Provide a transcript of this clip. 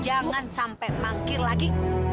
jangan sampai mangkir lagi